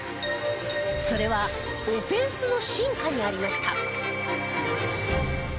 それはオフェンスの進化にありました。